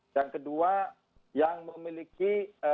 yang kedua yang memiliki